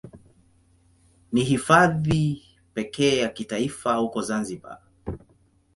Ni Hifadhi pekee ya kitaifa huko Zanzibar.